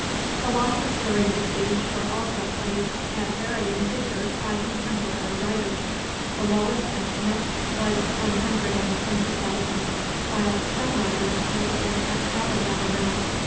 The losses during the siege were also placed at varying figures by contemporary writers. The lowest estimate was one hundred and twenty thousand, while some writers place it at double that amount.